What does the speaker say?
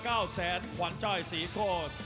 ก้าวแสนขวานใจศรีโคตร